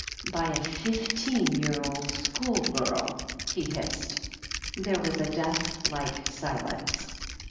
"By a fifteen year old school girl !'* he hissed. There was a death like silence.